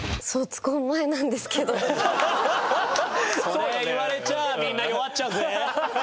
それ言われちゃみんな弱っちゃうぜ。